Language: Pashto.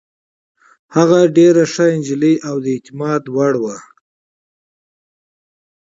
هغه ډېره ښه نجلۍ او د اعتماد وړ کس وه.